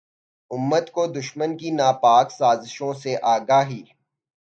امت کو دشمن کی ناپاک سازشوں سے آگاہی